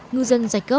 ngư dân giải quyết